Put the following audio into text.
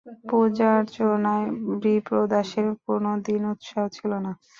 পূজার্চনায় বিপ্রদাসের কোনোদিন উৎসাহ ছিল না।